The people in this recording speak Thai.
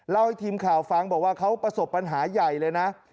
ให้ทีมข่าวฟังบอกว่าเขาประสบปัญหาใหญ่เลยนะ